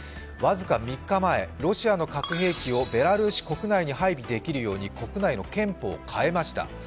僅か３日前、ロシアの核兵器をベラルーシ国内に配備できるように国内の憲法を変えました。